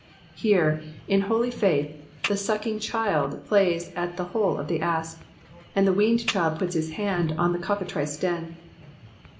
Here, in holy faith, tJte sucking child plays at the hole of the asp, and the toeaned child puis his fiand on the trocka trice den.